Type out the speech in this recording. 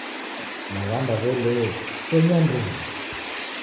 Naghamba w'elee, chonyi andenyi!